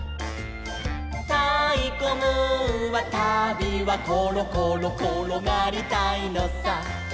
「たいこムーンはたびはころころころがりたいのさ」